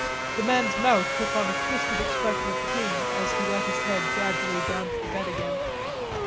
The man's mouth took on a twisted expression of pain as he let his head gradually down to the bed again.